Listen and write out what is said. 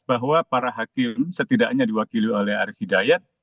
bahwa para hakim setidaknya diwakili oleh arief hidayat